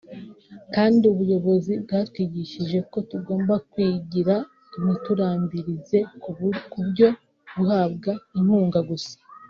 kandi ubuyobozi bwatwigishije ko tugomba kwigira ntiturambirize kubyo guhabwa inkunga gusa”